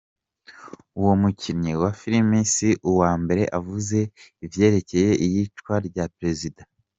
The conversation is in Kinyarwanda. Uwo mukinyi wa film si uwa mbere avuze ivyerekeye iyicwa rya prezida.